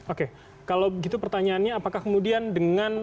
oke kalau gitu pertanyaannya apakah kemudian dengan